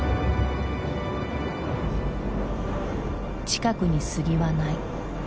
近くに杉はない。